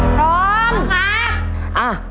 พร้อมค่ะ